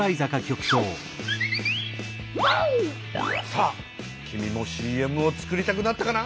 さあ君もＣＭを作りたくなったかな？